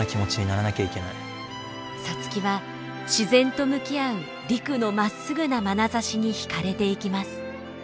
皐月は自然と向き合う陸のまっすぐなまなざしに惹かれていきます。